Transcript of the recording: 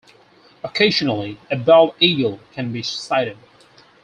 Occasionally a bald eagle can be sighted.